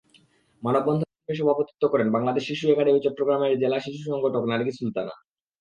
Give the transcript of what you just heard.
মানববন্ধনে সভাপতিত্ব করেন বাংলাদেশ শিশু একাডেমী চট্টগ্রামের জেলা শিশু সংগঠক নারগিস সুলতানা।